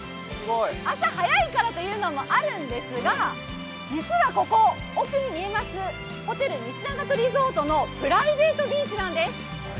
朝早いからというのもあるんですが、実はここ、奥に見えますホテル西長門リゾートのプライベートビーチなんです。